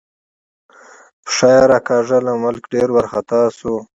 پښه یې راکاږله، ملک ډېر وارخطا شو.